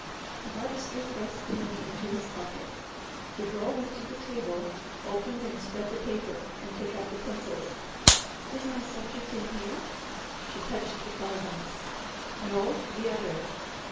The Harvester thrust the money into his pocket. The Girl went to the table, opened and spread the paper, and took out the pencils. "Is my subject in here?" she touched the colour box. "No, the other."